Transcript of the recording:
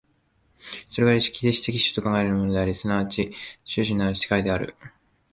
それが歴史的種と考えられるものであり、即ち種々なる社会である。